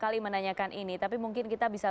kali menanyakan ini tapi mungkin kita bisa